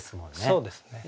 そうですね。